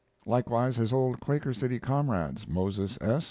Likewise his old Quaker City comrades, Moses S.